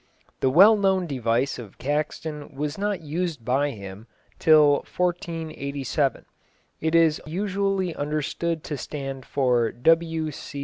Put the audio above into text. The well known device of Caxton was not used by him till 1487. It is usually understood to stand for W.C.